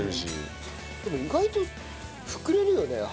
でも意外と膨れるよね